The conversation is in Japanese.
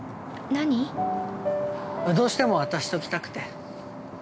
どうしても渡しておきたくて。